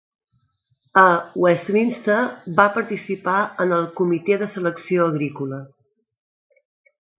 A Westminster, va participar en el Comitè de Selecció Agrícola.